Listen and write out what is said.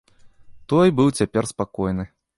Той быў цяпер спакойны.